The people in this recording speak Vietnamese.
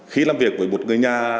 khi làm việc với một người nhà